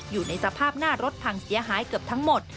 อยู่ในสภาพหน้ารถพังเสียหายเกือบทั้งหมด